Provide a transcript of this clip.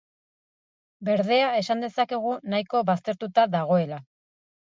Berdea esan dezakegu nahiko baztertuta dagoela.